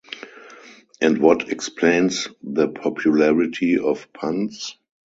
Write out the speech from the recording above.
And what explains the popularity of puns?